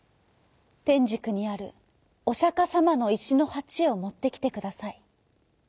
てんじくにあるおしゃかさまのいしのはちをもってきてください。